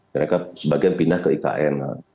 mereka sebagian pindah ke ikn